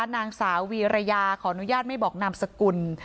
นางสาววีรยาขออนุญาตไม่บอกนามสกุล